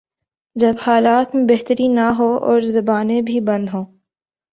جب حالات میں بہتری نہ ہو اور زبانیں بھی بند ہوں۔